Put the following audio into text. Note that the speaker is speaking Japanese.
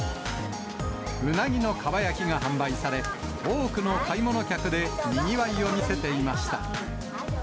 うなぎのかば焼きが販売され、多くの買い物客でにぎわいを見せていました。